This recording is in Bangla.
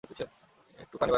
একটু পানি খেতে পারি?